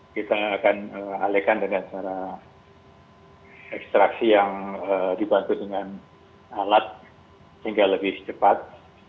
kita akan alekan dengan cara ekstraksi yang dibantu dengan alat hingga lebih cepat